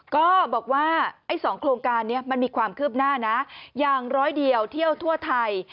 ก็บอกว่าไอ้๒โครงการนี้มันมีความคืบหน้านะอย่างร้อยเดียวเที่ยวทั่วไทย